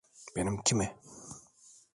Benimki mi?